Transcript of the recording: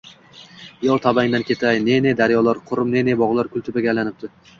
Yo tavbangdan ketay, ne-ne daryolar qurib, ne-ne bog‘lar kultepaga aylanibdi.